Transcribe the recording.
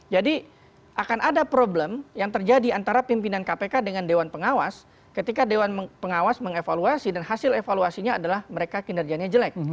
jadi akan ada problem yang terjadi antara pimpinan kpk dengan dewan pengawas ketika dewan pengawas mengevaluasi dan hasil evaluasinya adalah mereka kinerjanya jelek